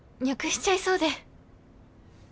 にゃくしちゃいそうで。